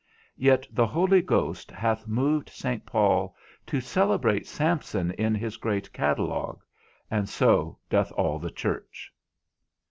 Yet the Holy Ghost hath moved Saint Paul to celebrate Samson in his great catalogue, and so doth all the church.